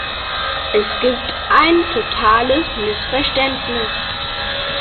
Es gibt ein totales Missverständnis.